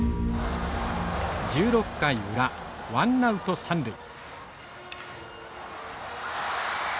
１６回裏ワンナウト三塁。